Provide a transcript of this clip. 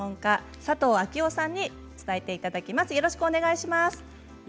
佐藤明男さんに伝えていただきます。